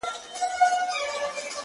په هر ولایت کي د هغه ځای.